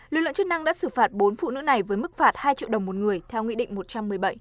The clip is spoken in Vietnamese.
lực lượng chức năng đã xử phạt bốn phụ nữ này với mức phạt hai triệu đồng một người theo nghị định một trăm một mươi bảy